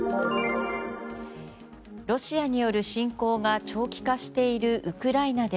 ロシアによる侵攻が長期化しているウクライナで